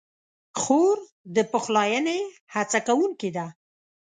خور د پخلاینې هڅه کوونکې ده.